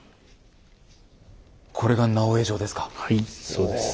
これが「直江状」ですか。